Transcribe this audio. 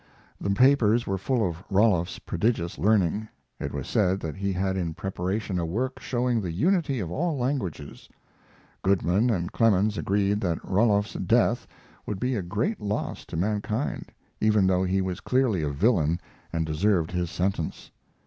The papers were full of Ruloff's prodigious learning. It was said that he had in preparation a work showing the unity of all languages. Goodman and Clemens agreed that Ruloff's death would be a great loss to mankind, even though he was clearly a villain and deserved his sentence.